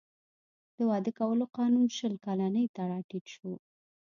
د واده کولو قانون شل کلنۍ ته راټیټ شو.